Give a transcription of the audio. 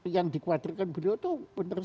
yang dikwadirkan beliau itu